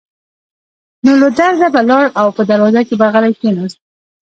نو له درده به لاړ او په دروازه کې به غلی کېناست.